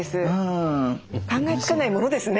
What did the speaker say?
考えつかないものですね。